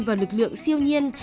vào lực lượng siêu nhiên